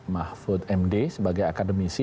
mahfud md sebagai akademisi